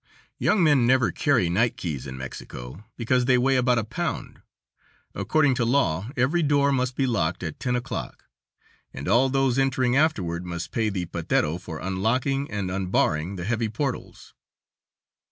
Young men never carry night keys in Mexico, because they weigh about a pound. According to law every door must be locked at ten o'clock, and all those entering afterward must pay the patero for unlocking and unbarring the heavy portals.